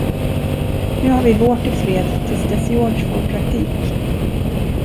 Nu ha vi vårt i fred, till dess Georg får praktik.